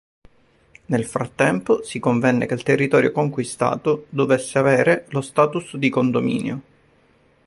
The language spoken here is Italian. Nel frattempo si convenne che il territorio conquistato dovesse avere lo status di condominio.